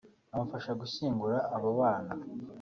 bamufasha gushyingura abo bana